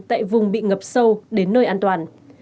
tại vùng bị ngập sâu đến nơi an toàn